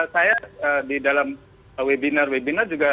saya di dalam webinar webinar juga